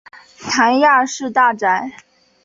谭雅士大宅。